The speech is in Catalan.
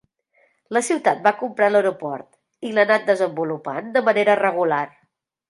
La ciutat va comprar l'aeroport i l'ha anat desenvolupant de manera regular.